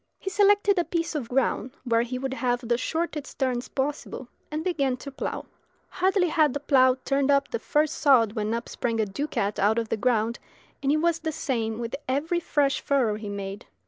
He selected a piece of ground where he would have the shortest turns possible, and began to plough. Hardly had the plough turned up the first sod when up sprang a ducat out of the ground, and it was the same with every fresh furrow he made.